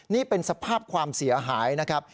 นี่เป็นสภาพความเสียหายนะครับ